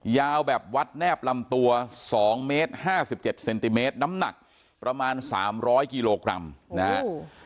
ยาวแบบวัดแนบลำตัวสองเมตรห้าสิบเจ็ดเซนติเมตรน้ำนักประมาณสามร้อยกิโลกรัมนะฮะ